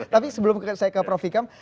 tapi sebelum saya ke prof ikam